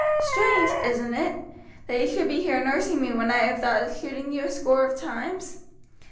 Strange, isn't it, that you should be here nursing me when I have thought of shooting you a score of times?